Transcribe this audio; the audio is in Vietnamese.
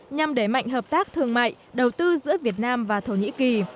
nhằm đẩy mạnh hợp tác thương mại đầu tư giữa việt nam và thổ nhĩ kỳ